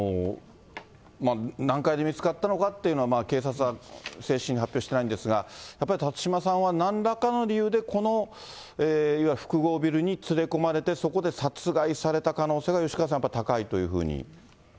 何階で見つかったのかというのは警察は正式に発表してないんですが、やっぱり辰島さんは、なんらかの理由でこのいわば複合ビルに連れ込まれて、そこで殺害された可能性が、吉川さん、やっぱり高いというふうに。